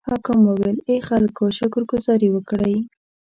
حاکم وویل: ای خلکو شکر ګذاري وکړئ.